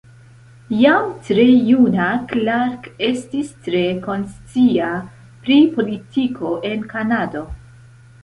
Jam tre juna Clark estis tre konscia pri politiko en Kanado.